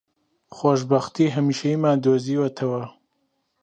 خۆشبەختیی هەمیشەییان دۆزیوەتەوە